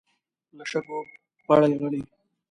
له شګو پړي غړي.